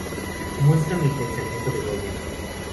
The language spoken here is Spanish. Muestran el pensamiento de Goya.